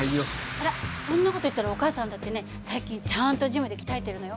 あらそんな事言ったらお母さんだってね最近ちゃんとジムで鍛えてるのよ。